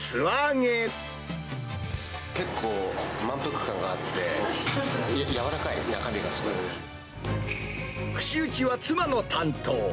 結構、満腹感があって、串打ちは妻の担当。